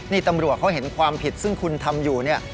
นี่ตำรวจเขาเห็นความผิดซึ่งคุณทำอยู่เนี่ย